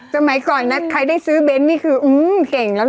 สมัยก่อนใครได้ซื้อเบ้นนี่ขึ้นได้นะ